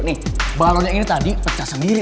nih balon yang ini tadi pecah sendiri